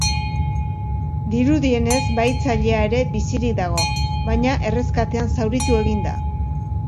Dirudienez, bahitzailea ere bizirik dago, baina erreskatean zauritu egin da.